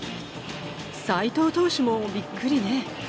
斎藤投手もびっくりね。